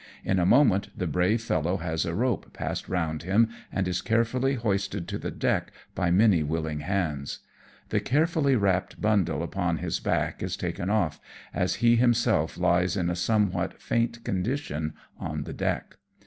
In a moment the brave fellow has a rope passed round him, and is carefully hoisted to the deck by many willing hands. The carefully wrapped bundle upon his back is taken off, as he himself lies in a somewhat faint condition on the deck.